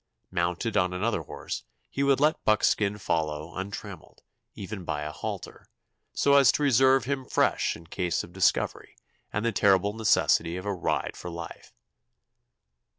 Mounted on another horse, he would let Buckskin follow untrammeled, even by a halter, so as to reserve him fresh in case of discovery and the terrible necessity of "a ride for life."